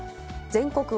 全国